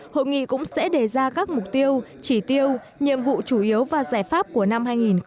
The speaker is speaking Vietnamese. hội nghị cũng sẽ đề ra các mục tiêu chỉ tiêu nhiệm vụ chủ yếu và giải pháp của năm hai nghìn hai mươi